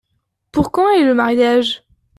Pour quand est le mariage ?